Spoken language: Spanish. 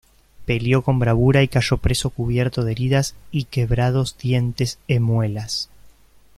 Peleó con bravura y cayó preso cubierto de heridas y "quebrados dientes e muelas".